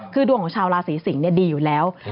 คือดวงของชาวราศีสิงศ์ดีอยู่แล้ว